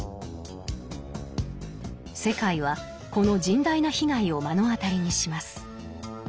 世界はこの甚大な被害を目の当たりにします。